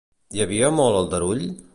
Hi havia molt aldarull?